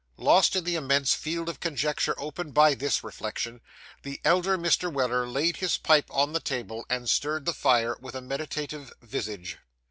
Lost in the immense field of conjecture opened by this reflection, the elder Mr. Weller laid his pipe on the table, and stirred the fire with a meditative visage.